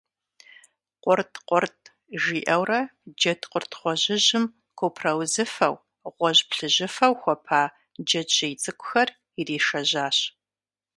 Къурт–къурт, жиӀэурэ джэдкъурт гъуэжьыжьым купраузыфэу, гъуэжь–плъыжьыфэу хуэпа джэджьей цӀыкӀухэр иришэжьащ.